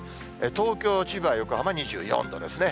東京、千葉、横浜２４度ですね。